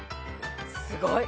すごい！